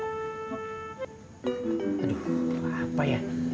aduh apa ya